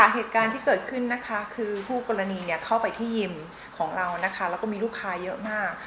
เหตุการณ์ที่เกิดขึ้นนะคะคือคู่กรณีเข้าไปที่ยิมของเรานะคะแล้วก็มีลูกค้าเยอะมาก